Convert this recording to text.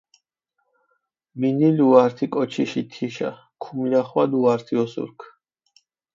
მინილუ ართი კოჩიში თიშა, ქუმლახვადუ ართი ოსურქ.